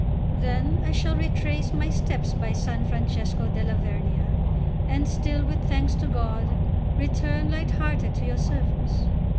Then I shall retrace my steps by San Francesco della Vernia, and, still with thanks to God, return light hearted to your service."